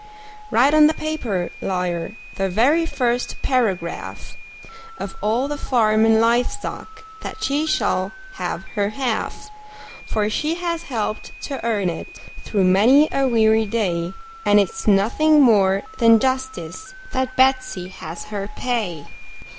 Write on the paper, lawyer the very first paragraph Of all the farm and live stock that she shall have her half; For she has helped to earn it, through many a weary day, And it's nothing more than justice that Betsey has her pay.